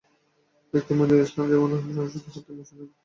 ব্যক্তি মনজুরুল ইসলাম যেমনই হোন, সাংসদকে হত্যার নিশানায় আনার লক্ষণ অশুভ।